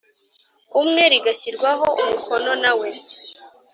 Umwe rigashyirwaho umukono na we